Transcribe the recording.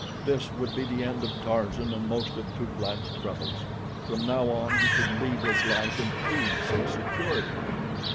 This would be the end of Tarzan and most of Tublat's troubles. From now on he could lead his life in peace and security.